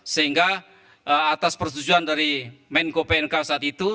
sehingga atas persetujuan dari menko pnk saat itu